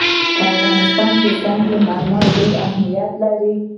په افغانستان کې سنگ مرمر ډېر اهمیت لري.